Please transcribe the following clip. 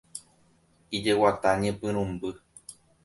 Ijeguata ñepyrũmby.